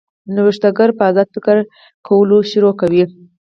نوښتګر په ازاد فکر کولو پیل کوي.